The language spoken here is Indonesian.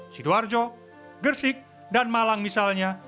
sidoarjo gersik dan malang misalnya